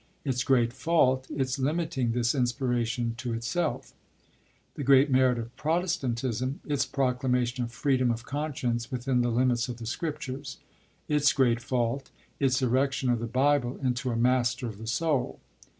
Its great fault: its limiting this inspiration to itself. The great merit of Protestantism: its proclamation of freedom of conscience within the limits of the Scriptures. Its great fault: its erection of the Bible into a master of the soul."